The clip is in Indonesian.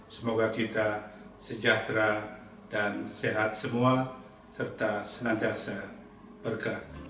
semoga kita sejahtera dan sehat semua serta senantiasa berkah